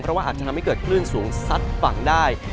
เพราะว่าอาจจะทำให้เกิดคลื่นสูงซัดฝั่งได้